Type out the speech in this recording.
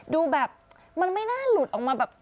ดูแบบมันไม่น่าหลุดออกมาแบบ